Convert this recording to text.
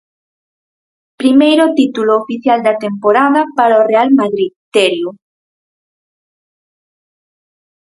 Primeiro título oficial da temporada para o Real Madrid, Terio.